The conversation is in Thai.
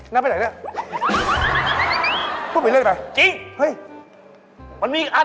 น้าไปไหนล่ะพูดเป็นเรื่อยไปมันมีอีกอันหนึ่งนี่ไง